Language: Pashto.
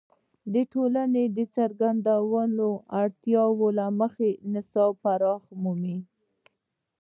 د ټولنې د څرګندو اړتیاوو له مخې نصاب پراختیا مومي.